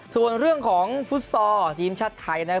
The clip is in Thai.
ส่วนเรื่องของฟุตซอลทีมชาติไทยนะครับ